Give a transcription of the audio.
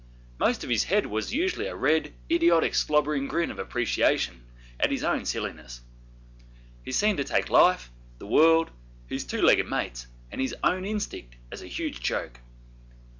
Most of his head was usually a red, idiotic, slobbering grin of appreciation of his own silliness. He seemed to take life, the world, his two legged mates, and his own instinct as a huge joke.